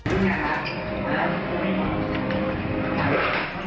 อุ้ยอุ้ยอุ้ยอุ้ยอุ้ยอุ้ยอุ้ยอุ้ย